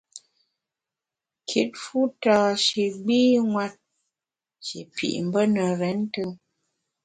Kit fu tâ shi gbînwet, shi pit mbe ne renntùm.